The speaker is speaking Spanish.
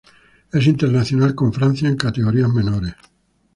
Es internacional con Francia en categorías menores.